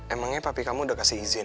emangnya papi kamu udah kasih izin